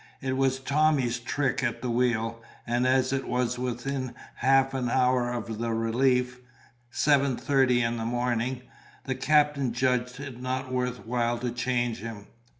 It was Tommy's trick at the wheel, and as it was within half an hour of the relief (seven thirty in the morning), the captain judged it not worth while to change him.